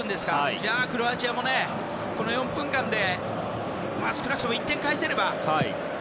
じゃあ、クロアチアもこの４分間で少なくとも１点返せれば。